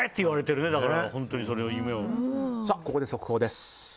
ここで速報です。